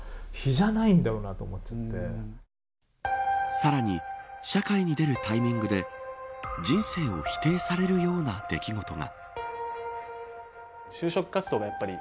さらに社会に出るタイミングで人生を否定されるような出来事が。